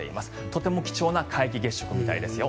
とても貴重な皆既月食みたいですよ。